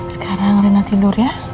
sekarang rena tidur ya